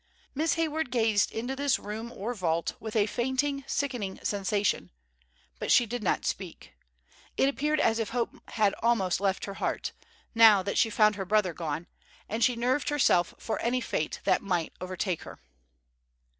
Miss Hayward gazed into this room or vault with a fainting, sickening sensation; but she did not speak. It appeared as if hope had almost left her heart, now that she found her brother gone, and she nerved herself for any fate that might overtake her.